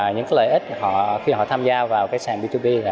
những lợi ích khi họ tham gia vào sàn b hai b là